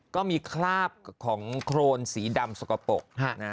ก็มีคราบของโครนสีดำสกปรก